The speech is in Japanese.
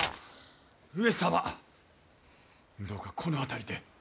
上様、どうかこの辺りで！